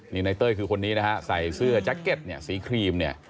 นี่นายเต้ยคือคนนี้นะฮะใส่เสื้อแจ็คเก็ตเนี่ยสีครีมเนี่ย